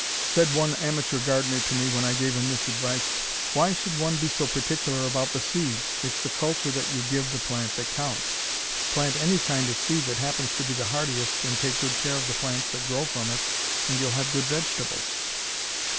Said one amateur gardener to me when I gave him this advice: "Why should one be so particular about the seed? It's the culture that you give the plant that counts. Plant any kind of seed that happens to be handiest and take good care of the plants that grow from it and you'll have good vegetables."